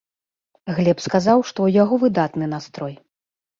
Глеб сказаў, што ў яго выдатны настрой.